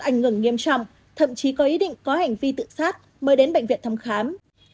có ảnh hưởng nghiêm trọng thậm chí có ý định có hành vi tự sát mới đến bệnh viện thăm khám